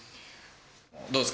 どうですか？